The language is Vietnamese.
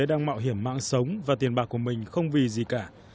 đang mạo hiểm mạng sống và tiền bạc của mình không vì gì cả